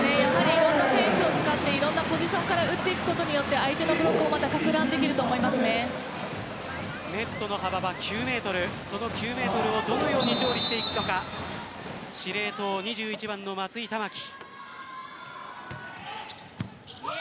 いろんな選手を使っていろんなポジションから打っていくことによって相手のブロックがネットの幅は９ｍその９ｍをどのように処理していくのか司令塔２１番の松井珠己。